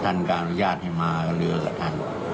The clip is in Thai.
ท่านการอนุญาตให้มาเรือกับท่าน